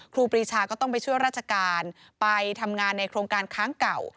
ครีชาก็ต้องไปช่วยราชการไปทำงานในโครงการค้างเก่า